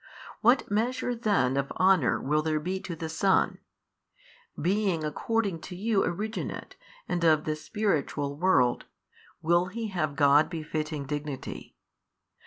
What measure then of honour will there be to the Son? being according to you originate and of the spiritual world, will He have God befitting Dignity?